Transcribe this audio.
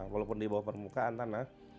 walaupun di bawah permukaan tanah